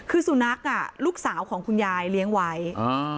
คือสุนัขอ่ะลูกสาวของคุณยายเลี้ยงไว้อ่า